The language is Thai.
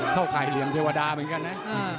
เข้าข่ายเรียมเทวดาเหมือนกันนะ